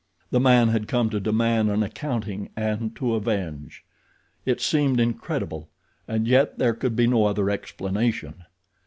The man had come to demand an accounting and to avenge. It seemed incredible, and yet there could be no other explanation.